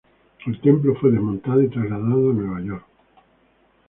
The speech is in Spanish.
El templo fue desmontado y trasladado a Nueva York.